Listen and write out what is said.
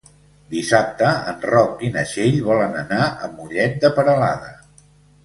Dissabte en Roc i na Txell volen anar a Mollet de Peralada.